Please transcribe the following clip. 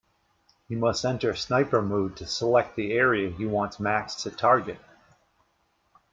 He must enter sniper mode to select the area he wants Max to target.